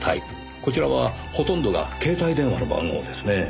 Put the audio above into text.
こちらはほとんどが携帯電話の番号ですねぇ。